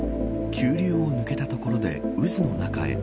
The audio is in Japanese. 急流を抜けた所で渦の中へ。